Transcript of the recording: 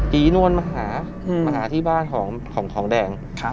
ีนวลมาหามาหาที่บ้านของแดง